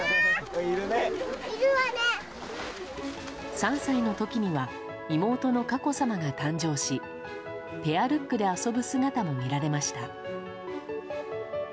３歳の時には妹の佳子さまが誕生しペアルックで遊ぶ姿も見られました。